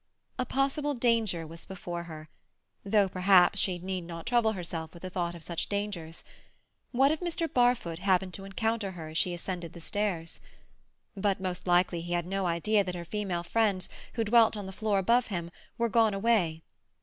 A possible danger was before her—though perhaps she need not trouble herself with the thought of such dangers. What if Mr. Barfoot happened to encounter her as she ascended the stairs? But most likely he had no idea that her female friends, who dwelt on the floor above him, were gone away.